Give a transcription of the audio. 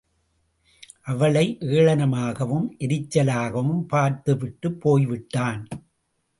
அவளை ஏளனமாகவும் எரிச்சலாகவும் பார்த்துவிட்டுப் போய்விட்டான்.